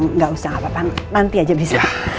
nggak usah apa apa nanti aja bisa